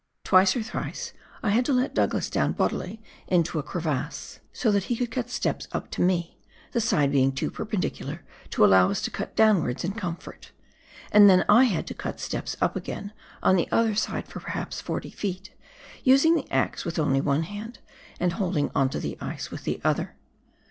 Twice or thrice I had to let Douglas down bodily into a WAIHO RIVER FRAXZ JOSEF GLACIER. 59 crevasse, so that he could cut steps up to rae, the side being too perpendicular to allow us to cut downwards in comfort ; and then I had to cut steps up again on the other side for perhaps 40 ft., using the axe with only one hand, and holding on to the ice with the other.